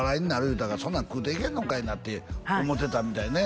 言うたら「そんなん食うていけんのかいな」って思ってたみたいね